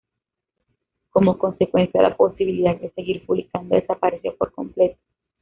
Como consecuencia, la posibilidad de seguir publicando desapareció por completo.